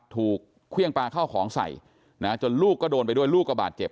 ถูกเครื่องปลาเข้าของใส่นะจนลูกก็โดนไปด้วยลูกก็บาดเจ็บ